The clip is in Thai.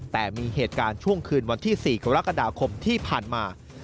แต่มีเหตุการณ์ช่วงคืนวันที่๔กรกฎาคมที่ผ่านมา